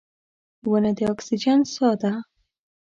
• ونه د اکسیجن ساه ده.